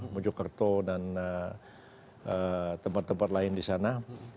mojokerto dan tempat tempat lain disana